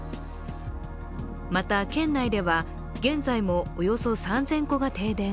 また、県内では現在もおよそ３０００戸が停電。